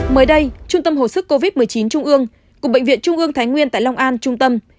mới đây trung tâm hồi sức covid một mươi chín trung ương cục bệnh viện trung ương thái nguyên tại long an trung tâm